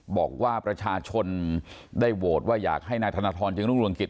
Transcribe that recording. บอกว่าประชาชนได้โหวตว่าอยากให้นายธนทรจึงรุ่งรวงกิจ